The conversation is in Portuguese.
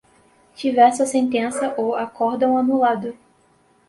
tiver sua sentença ou acórdão anulado